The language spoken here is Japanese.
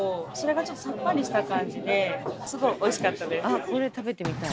あっこれ食べてみたい。